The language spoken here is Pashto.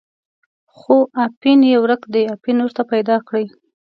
خو اپین یې ورک دی، اپین ورته پیدا کړئ.